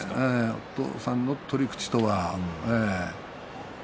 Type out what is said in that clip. お父さんの取り口は。